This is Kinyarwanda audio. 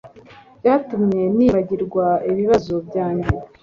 Byatumye nibagirwa ibibazo byanjye.